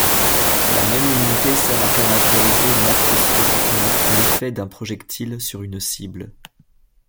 La même unité sert à caractériser macroscopiquement l'effet d'un projectile sur une cible.